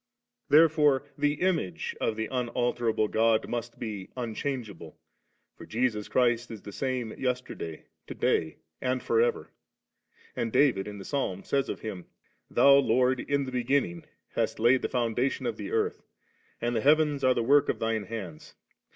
36. Therefore the Image of the unalterable God must be unchangeable; for 'Jesus Christ is the same yesterday, to day, and for ever 3.' And David in the Psalm says of Him, * Thou, Lord, in the bq^inning hast laid the foundation <rf tiie earth, and the heavens are the work of Thine hands.